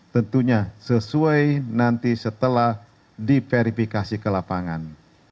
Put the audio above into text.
tentunya sesuai nanti setelah diverifikasi ke lapangan